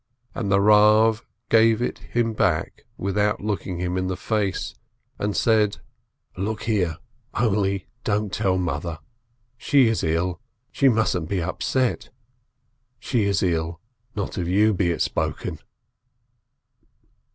And the Rav gave it him back without looking him in the face, and said : "Look here, only don't tell Mother! She is ill, she mustn't be upset. She is ill, not of you be it spoken